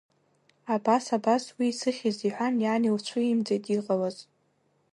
Абас, абас уи исыхьыз иҳәан, иан илцәуимӡеит иҟалаз.